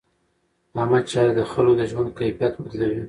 عامه چارې د خلکو د ژوند کیفیت بدلوي.